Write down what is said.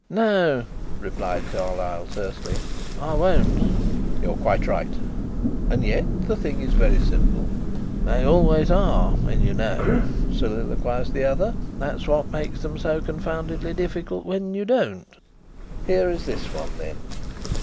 "No," replied Carlyle tersely: "I won't." "You are quite right. And yet the thing is very simple." "They always are when you know," soliloquised the other. "That's what makes them so confoundedly difficult when you don't." "Here is this one then.